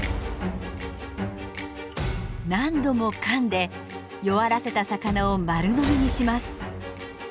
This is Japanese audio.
何度もかんで弱らせた魚を丸飲みにします。